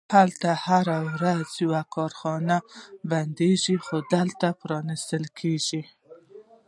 هلته هره ورځ یوه کارخونه بندیږي، خو دلته پرانیستل کیږي